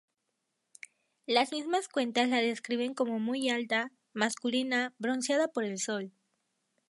Las mismas cuentas la describen como "muy alta, masculina, bronceada por el sol".